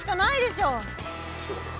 そうだな。